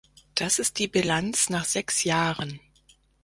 Das ist die Bilanz nach sechs Jahren!